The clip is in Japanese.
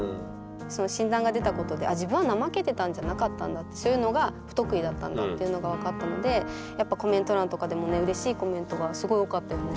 その診断が出たことで自分はそういうのが不得意だったんだっていうのが分かったのでやっぱコメント欄とかでもねうれしいコメントがすごい多かったよね。